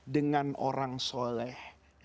dengan orang soleh